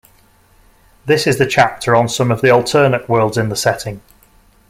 This is the chapter on some of the alternate worlds in the setting.